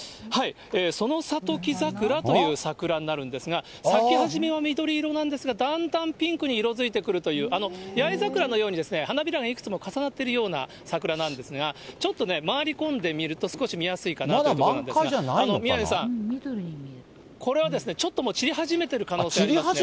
ソノサトキザクラという桜になるんですけれども、咲き始めは緑色なんですが、だんだんピンクに色づいてくるという、八重桜のように、花びらがいくつも重なってるような桜なんですが、ちょっとね、回り込んでみると、少し見やすいかなということなんですが、宮根さん、これはですね、ちょっともう散り始めてる可能性ありますね。